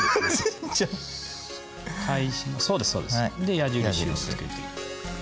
矢印つけて。